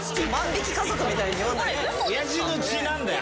おやじの血なんだよ。